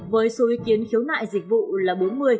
với số ý kiến khiếu nại dịch vụ là bốn mươi